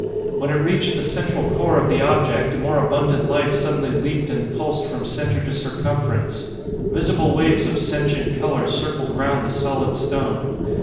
When it reached the central core of the object, a more abundant life suddenly leaped and pulsed from center to circumference. Visible waves of sentient color circled round the solid stone.